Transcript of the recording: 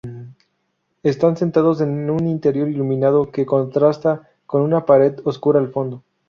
Están sentados en un interior iluminado, que contrasta con una pared oscura al fondo.